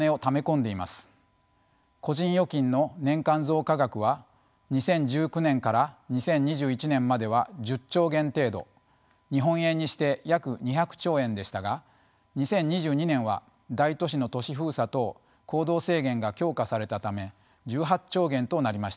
個人預金の年間増加額は２０１９年から２０２１年までは１０兆元程度日本円にして約２００兆円でしたが２０２２年は大都市の都市封鎖等行動制限が強化されたため１８兆元となりました。